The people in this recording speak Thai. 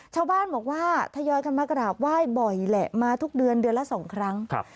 ชาวบ้านบอกว่าทยอยกันมากราบไหว้บ่อยแหละมาทุกเดือนเดือนละสองครั้งครับ